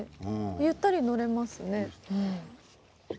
ゆったり乗れますね。